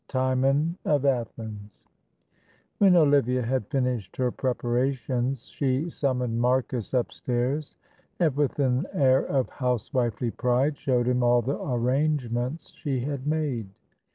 Timon of Athens. When Olivia had finished her preparations she summoned Marcus upstairs, and with an air of housewifely pride showed him all the arrangements she had made.